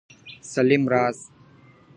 سلیم راز